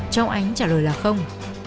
châu ánh trả lời là không